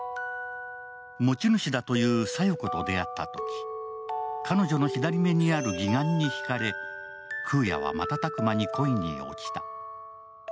持ち主だという小夜子と出会ったとき彼女の左目にある義眼に引かれ、空也は瞬く間に恋に落ちた。